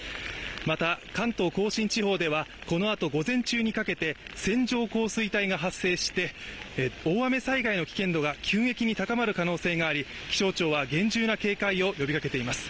また、関東甲信地方ではこのあと午前中にかけて線状降水帯が発生して大雨災害の危険度が急激に高まる可能性があり気象庁は厳重な警戒を呼びかけています。